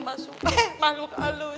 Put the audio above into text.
masukin makhluk halus